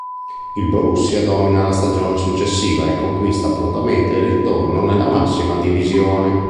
Il Borussia domina la stagione successiva e conquista prontamente il ritorno nella massima divisione.